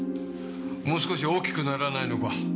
もう少し大きくならないのか？